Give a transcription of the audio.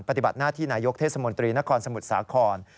ปฏิบัติหน้าที่นายกเทศมนตรีนครสมุทรสาคร